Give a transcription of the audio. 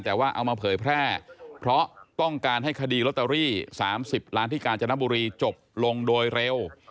แต่ว่าเอามาเผยแพร่เพราะต้องการให้คดีลอตเตอรี่๓๐ล้านที่กาญจนบุรีจบลงโดยเร็ว